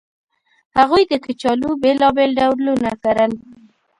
هغوی د کچالو بېلابېل ډولونه کرل